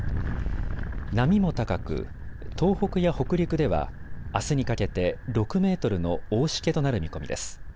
波も高く東北や北陸ではあすにかけて６メートルの大しけとなる見込みです。